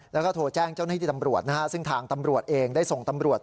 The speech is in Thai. แล้วก็โทรแจ้งเจ้าหน้าที่ตำรวจนะฮะซึ่งทางตำรวจเองได้ส่งตำรวจ